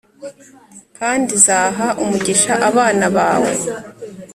kandi izaha umugisha abana bawe.